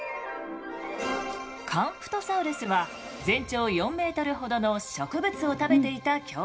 カンプトサウルスは全長４ｍほどの植物を食べていた恐竜。